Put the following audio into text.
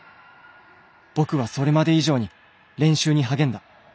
僕はそれまで以上に練習にはげんだ。